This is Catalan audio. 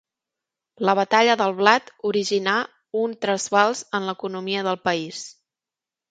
La batalla del blat originà un trasbals en l'economia del país.